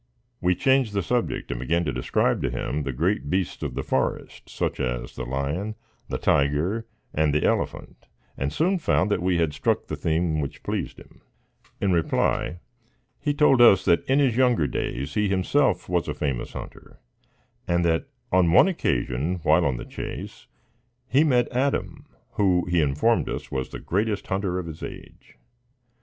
We changed the subject, and began to describe to him the great beasts of the forest, such as the lion, the tiger, and the elephant, and soon found that we had struck the theme which pleased him. In reply, he told us that in his younger days he himself was a famous hunter; and that, on one occasion, while on the chase, he met Adam, who, he informed us, was the greatest hunter of his age.